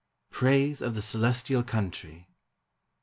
PRAISE OF THE CELESTIAL COUNTRY.